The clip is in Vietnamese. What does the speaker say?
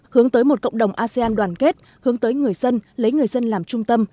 hướng tới một cộng đồng asean đoàn kết hướng tới người dân lấy người dân làm trung tâm